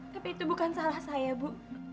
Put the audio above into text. tapi itu bukan salah saya bu